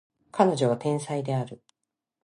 彼女は天才である